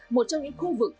một trong những khu vực